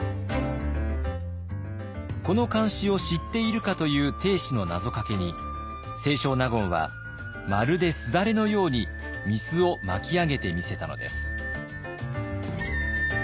この漢詩を知っているかという定子の謎かけに清少納言はまるですだれのように御簾を巻き上げてみせたのです。